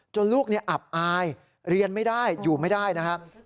ลูกอับอายเรียนไม่ได้อยู่ไม่ได้นะครับ